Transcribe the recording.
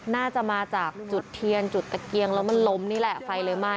น่าจะมาจากจุดเทียนจุดตะเกียงแล้วมันล้มนี่แหละไฟเลยไหม้